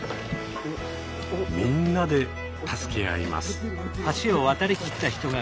みんなで助け合います。